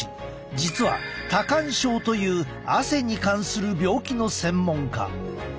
実は多汗症という汗に関する病気の専門家。